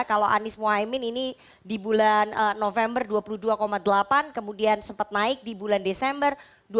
kalau anies mohaimin ini di bulan november dua puluh dua delapan kemudian sempat naik di bulan desember dua ribu dua puluh